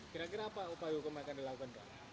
kira kira apa upaya hukum yang akan dilakukan pak